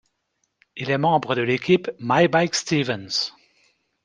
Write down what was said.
Il est membre de l'équipe My Bike-Stevens.